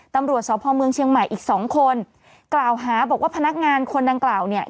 ตำรวจสพเมืองเชียงใหม่อีกสองคนกล่าวหาบอกว่าพนักงานคนดังกล่าวเนี่ย